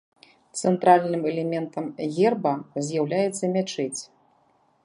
Цэнтральным элементам герба з'яўляецца мячэць.